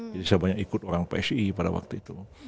jadi saya banyak ikut orang psii pada waktu itu